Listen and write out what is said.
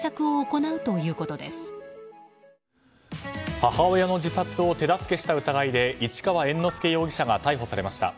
母親の自殺を手助けした疑いで市川猿之助容疑者が逮捕されました。